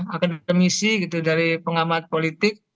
akademisi gitu dari pengamat politik